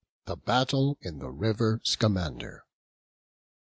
THE BATTLE IN THE RIVER SCAMANDER.